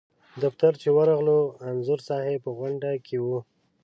دفتر چې ورغلو انځور صاحب په غونډه کې و.